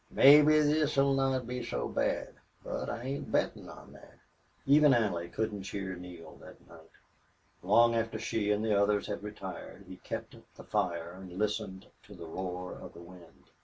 Mebbe this'll not be so bad. But I ain't bettin' on thet." Even Allie couldn't cheer Neale that night. Long after she and the others had retired he kept up the fire and listened to the roar of the wind.